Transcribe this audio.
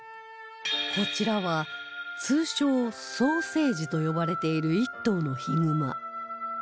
こちらは通称ソーセージと呼ばれている１頭のヒグマ